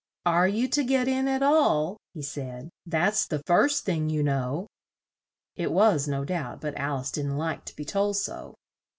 "Are you to get in at all?" he said. "That's the first thing, you know." It was, no doubt; but Al ice didn't like to be told so.